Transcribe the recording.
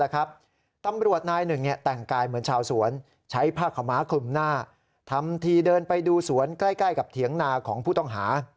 คลุมหน้าทำทีเดินไปดูสวนใกล้ใกล้กับเถียงนาของผู้ต้องหา